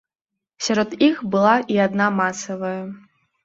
Сярод іх была і адна масавая.